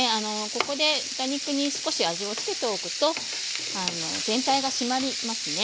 ここで豚肉に少し味をつけておくと全体が締まりますね。